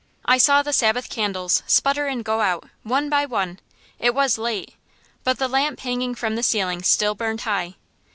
I saw the Sabbath candles sputter and go out, one by one, it was late, but the lamp hanging from the ceiling still burned high.